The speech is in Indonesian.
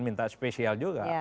minta spesial juga